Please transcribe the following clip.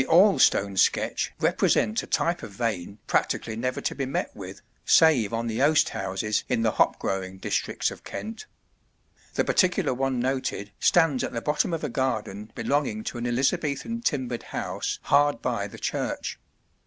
] [Illustration: High St. Tonbridge] The Orlestone sketch represents a type of vane practically never to be met with, save on the oast houses in the hop growing districts of Kent. The particular one noted stands at the bottom of a garden belonging to an Elizabethan timbered house hard by the church.